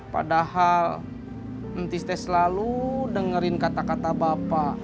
padahal ntis teh selalu dengerin kata kata bapak